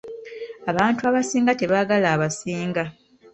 Abantu abasinga tebaagala abasinga.